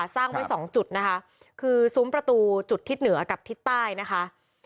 สร้างไว้สองจุดนะคะคือซุ้มประตูจุดทิศเหนือกับทิศใต้นะคะ